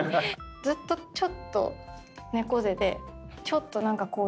ずっとちょっと猫背でちょっとこういう感じ。